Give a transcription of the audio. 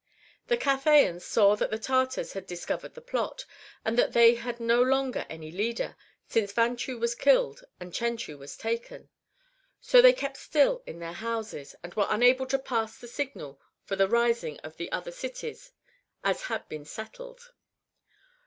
The Cathayans saw that the Tartars had dis covered the plot, and that they had no longer any leader, since Vanchu was killed and Chenchu was taken. So they kept still in their houses, and were unable to pass the signal for the rising of the other cities as had been settled.